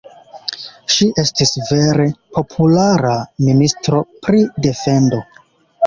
Ŝi estis vere populara ministro pri defendo.